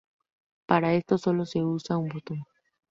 Para esto solo se usa un botón.